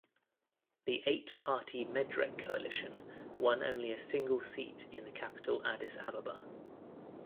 The eight-party Medrek coalition won only a single seat in the capital Addis Ababa.